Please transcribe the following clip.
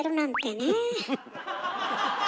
ねえ